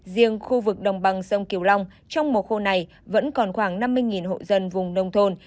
riêng khu vực đồng bằng sông kiều long trong mùa khô này vẫn còn khoảng năm mươi hộ dân vùng nông thôn